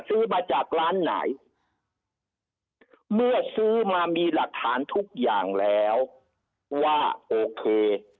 ซื้อมาจากร้านไหนเมื่อซื้อมามีหลักฐานทุกอย่างแล้วว่าโอเค